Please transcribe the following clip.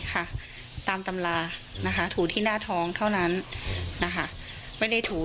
ค่ะตามตำรานะคะถูที่หน้าท้องเท่านั้นนะคะไม่ได้ถู